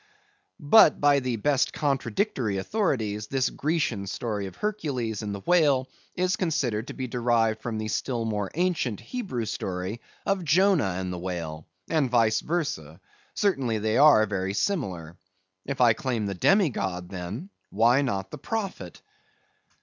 But, by the best contradictory authorities, this Grecian story of Hercules and the whale is considered to be derived from the still more ancient Hebrew story of Jonah and the whale; and vice versâ; certainly they are very similar. If I claim the demi god then, why not the prophet?